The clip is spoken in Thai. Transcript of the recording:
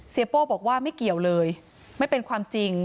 โป้บอกว่าไม่เกี่ยวเลยไม่เป็นความจริง